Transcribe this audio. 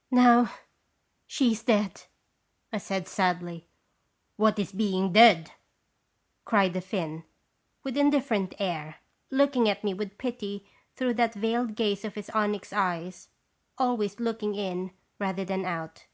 " Now, she is dead," I said, sadly. "What is being dead ?" cried the Finn, with indifferent air, looking at me with pity through that veiled gaze of his onyx eyes, always look ing in rather than out.